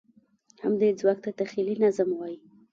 همدې ځواک ته تخیلي نظم وایي.